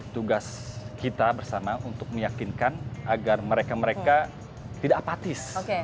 tugas kita bersama untuk meyakinkan agar mereka mereka tidak apatis